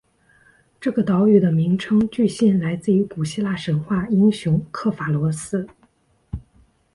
这个岛屿的名称据信来自于古希腊神话英雄刻法罗斯。